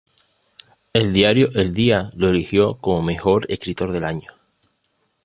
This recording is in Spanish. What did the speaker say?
El diario El Día lo eligió como Mejor Escritor del Año.